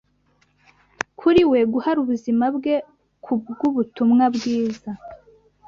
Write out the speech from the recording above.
kuri we guhara ubuzima bwe kubw’ubutumwa bwiza